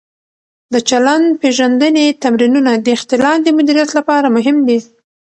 د چلند-پېژندنې تمرینونه د اختلال د مدیریت لپاره مهم دي.